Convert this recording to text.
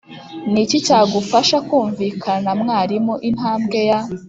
Ni iki cyagufasha kumvikana na mwarimu Intambwe ya